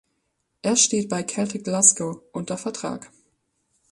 Er steht bei Celtic Glasgow unter Vertrag.